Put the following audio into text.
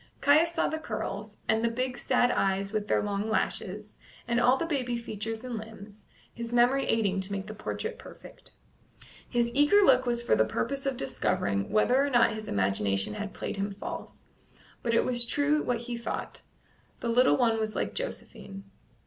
Caius saw the curls, and the big sad eyes with their long lashes, and all the baby features and limbs, his memory aiding to make the portrait perfect. His eager look was for the purpose of discovering whether or not his imagination had played him false; but it was true what he had thought the little one was like Josephine.